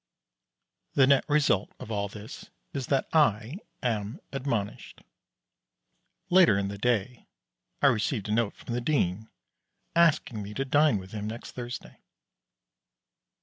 The net result of all this is that I am admonished. Later in the Day I received a note from the Dean asking me to dine with him next Thursday.